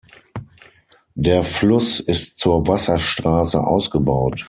Der Fluss ist zur Wasserstraße ausgebaut.